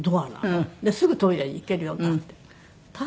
すぐトイレに行けるようになってる。